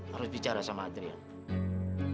harus bicara sama adrian